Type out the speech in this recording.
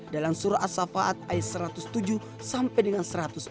dalam surah as safaat ayat satu ratus tujuh sampai dengan satu ratus sepuluh